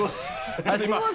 ちょっと今。